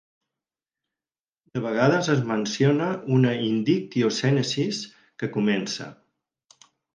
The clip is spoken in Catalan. De vegades es menciona una "indictio Senensis" que comença.